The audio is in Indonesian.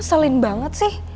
ngeselin banget sih